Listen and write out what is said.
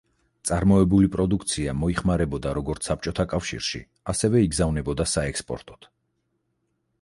წარმოებული პროდუქცია მოიხმარებოდა როგორც საბჭოთა კავშირში, ასევე იგზავნებოდა საექსპორტოდ.